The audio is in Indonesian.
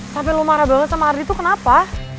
sampai lo marah banget sama ardi itu kenapa